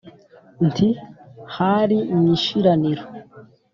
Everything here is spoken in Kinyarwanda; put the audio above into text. nti: hari mu ishiraniro